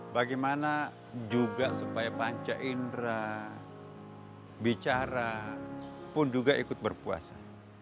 bagaimana juga supaya panca indera bicara pun juga ikut berpuasa